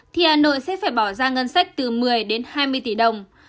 thì hà nội sẽ phải bỏ ra ngân sách từ một mươi đến hai mươi tỷ đồng